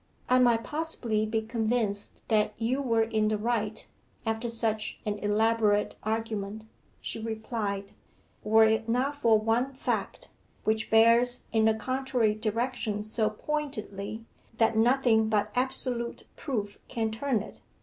'I might possibly be convinced that you were in the right, after such an elaborate argument,' she replied, 'were it not for one fact, which bears in the contrary direction so pointedly, that nothing but absolute proof can turn it.